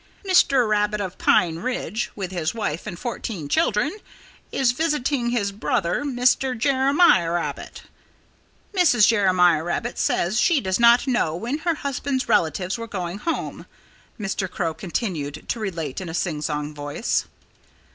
"Mr. Rabbit, of Pine Ridge, with his wife and fourteen children, is visiting his brother, Mr. Jeremiah Rabbit. Mrs. Jeremiah Rabbit says she does not know when her husband's relations are going home," Mr. Crow continued to relate in a singsong voice.